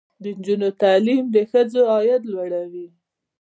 د نجونو تعلیم د ښځو عاید لوړوي.